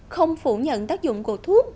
không phủ nhận tác dụng của thuốc